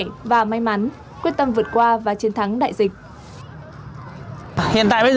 tuyệt vời và may mắn quyết tâm vượt qua và chiến thắng đại dịch